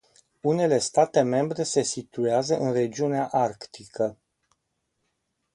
Unele state membre se situează în regiunea arctică.